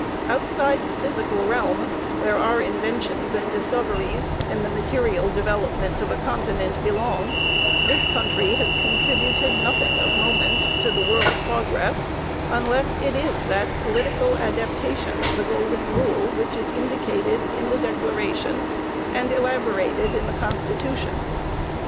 Outside the physical realm, where our inventions and discoveries and the material development of a continent belong, this country has contributed nothing of moment to the world's progress, unless it is that political adaptation of the Golden Rule which is indicated in the Declaration and elaborated in the Constitution.